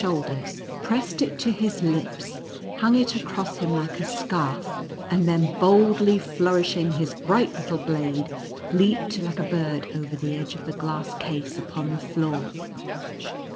39 shoulders, pressed it to his lips, hung it across him like a scarf, and then boldly flourishing his "bright little blade, leaped like a bird over the edge of the glass case upon the floor.